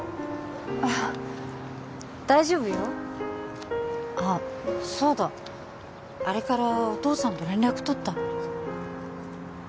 あ大丈夫よあそうだあれからお父さんと連絡取った？